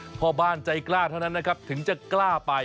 พ่อบ้านใจกล้าเท่านั้นนะครับถึงจะกล้าไป